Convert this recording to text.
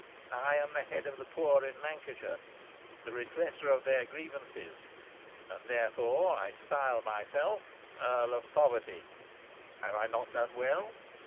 I am the head of the poor in Lancashire, the redresser of their grievances, and therefore I style myself Earl of Poverty. Have I not done well?"